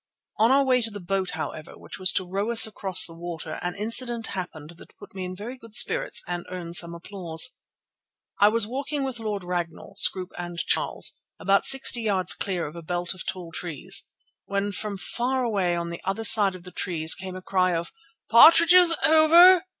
On our way to the boat, however, which was to row us across the water, an incident happened that put me in very good spirits and earned some applause. I was walking with Lord Ragnall, Scroope and Charles, about sixty yards clear of a belt of tall trees, when from far away on the other side of the trees came a cry of "Partridges over!"